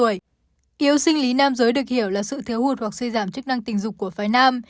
nhiều yếu sinh lý nam giới được hiểu là sự thiếu hụt hoặc suy giảm chức năng tình dục của phái nam